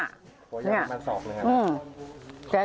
หัวยาวมันสอบนะครับ